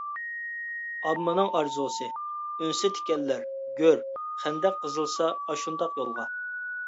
ئاممىنىڭ ئارزۇسى، ئۈنسە تىكەنلەر، گۆر، خەندەك قېزىلسا ئاشۇنداق يولغا.